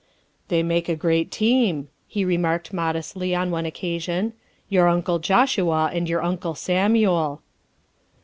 " They make a great team," he remarked modestly on one occasion, " your Uncle Joshua and your Uncle Samuel."